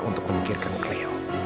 untuk memikirkan cleo